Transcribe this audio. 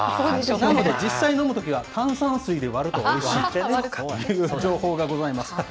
なので実際飲むときは炭酸水で割るとおいしいという、情報がございました。